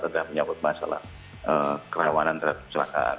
tentang menyambut masalah kerawanan terhadap keselakaan